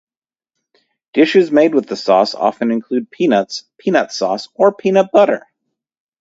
Dishes made with the sauce often include peanuts, peanut sauce, or peanut butter.